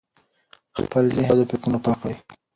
خپل ذهن له بدو فکرونو پاک کړئ.